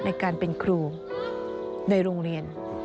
ในการเป็นครูในโรงเรียน